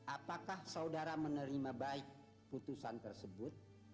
apakah saudara menerima baik putusan tersebut